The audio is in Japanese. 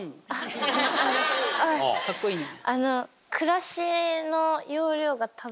カッコいいね。